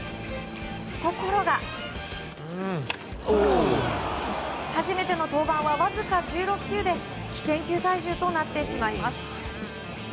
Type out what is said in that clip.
ところが、初めての登板はわずか１６球で危険球退場となってしまいます。